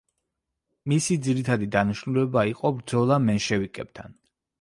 მისი ძირითადი დანიშნულება იყო ბრძოლა მენშევიკებთან.